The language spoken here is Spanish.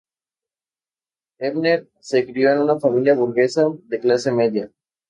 Ebner se crio en una familia burguesa de clase media.